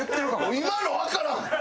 今のわからん？